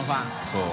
そう。